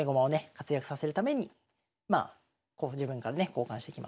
活躍させるためにまあ自分からね交換してきました。